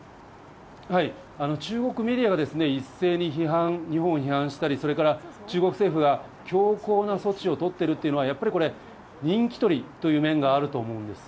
中国メディアが一斉に批判、日本を批判したり、それから中国政府が強硬な措置を取ってるっていうのは、やっぱりこれ、人気取りという面があると思うんです。